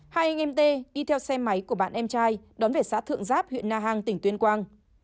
hai anh em t đi theo xe máy của bạn em trai đón về xã thượng giáp huyện na hàng tỉnh tuyên quang